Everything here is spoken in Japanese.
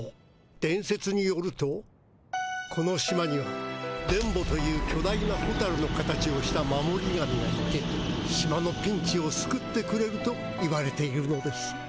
伝説によるとこの島には伝ボという巨大なホタルの形をした守り神がいて島のピンチをすくってくれると言われているのです。